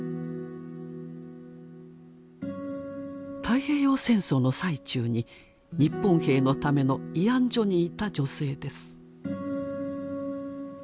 太平洋戦争の最中に日本兵のための慰安所にいた女性です。